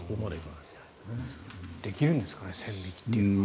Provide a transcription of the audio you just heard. できるんですかね線引きって。